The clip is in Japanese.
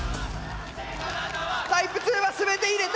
タイプ２は全て入れた！